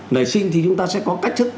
nảy sinh thì chúng ta sẽ có cách chức